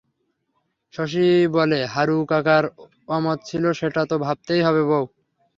শশী বলে, হারুকাকার অমত ছিল সেটা তো ভাবতে হবে বৌ!